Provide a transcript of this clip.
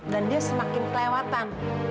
dan dia semakin kelewatan